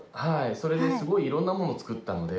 それですごいいろんなもの作ったので。